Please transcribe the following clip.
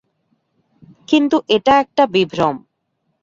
কিন্তু এটা একটা বিভ্রম।